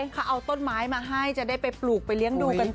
เขาเอาต้นไม้มาให้จะได้ไปปลูกไปเลี้ยงดูกันต่อ